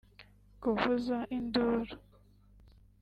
kuvuza induru